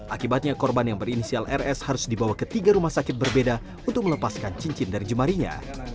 akibatnya korban yang berinisial rs harus dibawa ke tiga rumah sakit berbeda untuk melepaskan cincin dari jemarinya